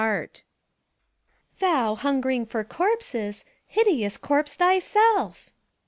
CHORETID VI. Thou, hungering for corpses, hideous corpse thyself!